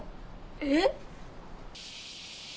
えっ？